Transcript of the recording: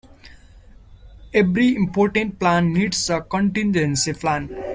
Every important plan needs a contingency plan.